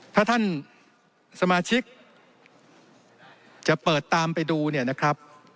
ถ้าท่านสมาชิกจะเปิดตามไปดูเนี่ยนะครับ